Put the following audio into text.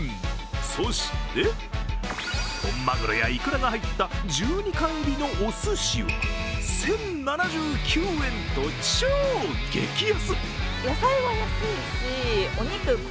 そして、本まぐろやいくらが入った１２貫入りのおすしは１０７９円と超激安。